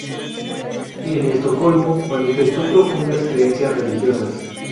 En Estocolmo, manifestó profundas creencias religiosas.